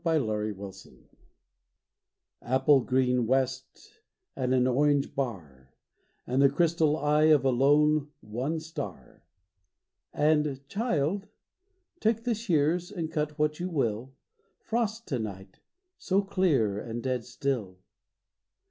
Thomas "Frost To Night" APPLE GREEN west and an orange bar, And the crystal eye of a lone, one star …And, "Child, take the shears and cut what you will, Frost to night—so clear and dead still."